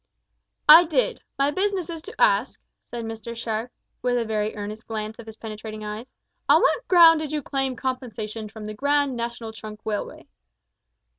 "I did. My business is to ask," said Mr Sharp, with a very earnest glance of his penetrating eyes, "on what ground you claim compensation from the Grand National Trunk Railway?"